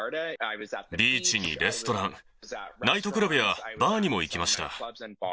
ビーチにレストラン、ナイトクラブやバーにも行きました。